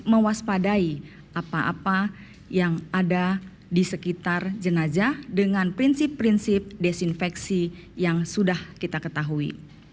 mewaspadai apa apa yang ada di sekitar jenazah dengan prinsip prinsip desinfeksi yang sudah kita ketahui